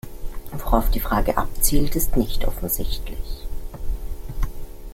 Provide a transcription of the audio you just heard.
Worauf die Frage abzielt, ist nicht offensichtlich.